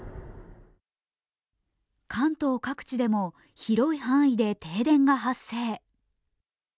関東各地でも広い範囲で停電が発生。